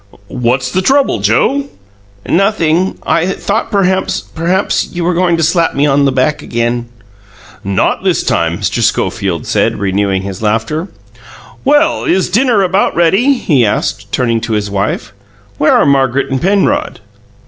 "What's the trouble, Joe?" "Nothing. I thought perhaps perhaps you were going to slap me on the back again." "Not this time," Mr. Schofield said, renewing his laughter. "Well, is dinner about ready?" he asked, turning to his wife. "Where are Margaret and Penrod?"